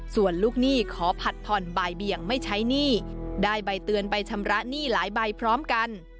ส่วนลูกหนี้ขอผัดผ่อนบ่ายเบี่ยงไม่ใช้หนี้ได้ใบเตือนใบชำระหนี้หลายใบพร้อมกัน